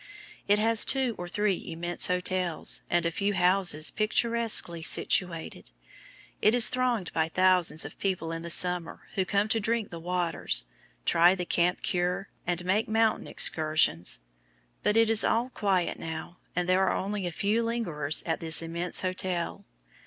It has two or three immense hotels, and a few houses picturesquely situated. It is thronged by thousands of people in the summer who come to drink the waters, try the camp cure, and make mountain excursions; but it is all quiet now, and there are only a few lingerers in this immense hotel.